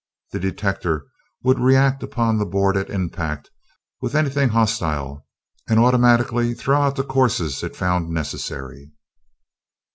That detector would react upon the board at impact with anything hostile, and automatically throw out the courses it found necessary."